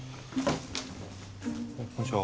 こんにちは。